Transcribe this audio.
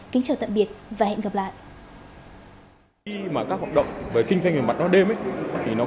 kính chào tạm biệt và hẹn gặp lại